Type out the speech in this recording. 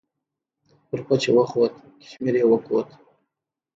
پر پچه وخوت، کشمیر یې وکوت.